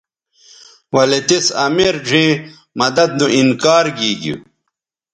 ولے تِس امیر ڙھیئں مدد نو انکار گیگیو